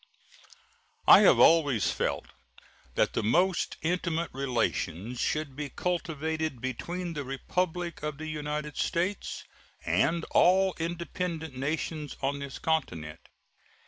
I have always felt that the most intimate relations should be cultivated between the Republic of the United States and all independent nations on this continent.